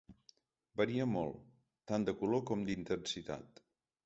Varia molt, tant de color com d’intensitat.